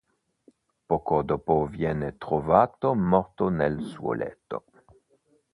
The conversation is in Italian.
Poco dopo viene trovato morto nel suo letto.